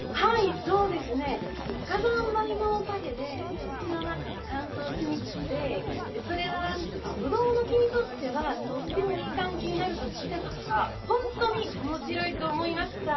そうですね、火山灰のおかげで土の中が乾燥しにくくて、それは、ブドウの木にとってはとってもいい環境になると聞いたことが、本当におもしろいと思いました。